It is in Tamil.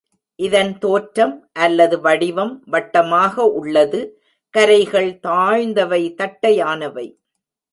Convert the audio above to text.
இதன் தோற்றம் அல்லது வடிவம் வட்டமாக உள்ளது கரைகள் தாழ்ந்தவை தட்டையானவை.